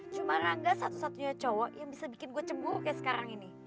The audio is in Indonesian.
cuma rangga satu satunya cowok yang bisa bikin gue cemburu kayak sekarang ini